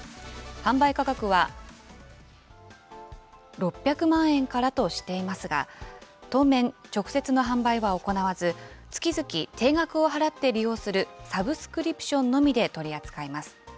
販売価格は６００万円からとしていますが、当面、直接の販売は行わず、月々、定額を払って利用するサブスクリプションのみで取り扱います。